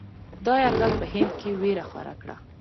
دا یرغل په هند کې وېره خوره کړه.